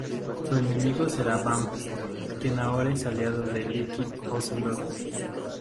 Su enemigo será Vamp, quien ahora es aliado de Liquid Ocelot.